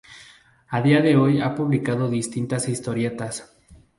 A día de hoy ha publicado distintas historietas.